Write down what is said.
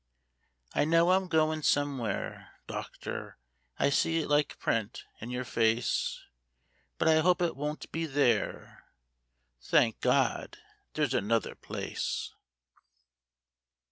I know I'm goin' somewhere, docthor, I see it like prent in your face ; But I hope it won't be there. Thank God there's another place